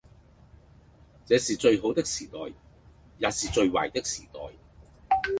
這是最好的時代，也是最壞的時代，